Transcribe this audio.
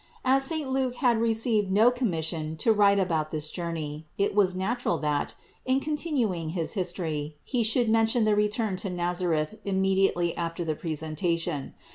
As saint Luke had received no commis sion to write about this journey it was natural that, in continuing his history, he should mention the return to Nazareth immediately after the Presentation.